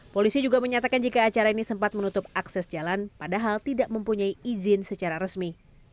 polisi juga menyatakan jika acara ini sempat menutup akses jalan padahal tidak mempunyai izin secara resmi